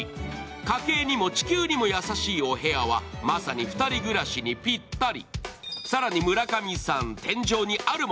家計にも地球にも優しいお部屋はまさに２人暮らしにピッタリ。